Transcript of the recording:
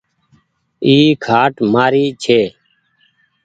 اي کآٽ مآري ڇي